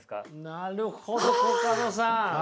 なるほどコカドさん。